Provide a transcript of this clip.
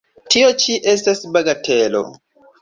Tio ĉi estas bagatelo!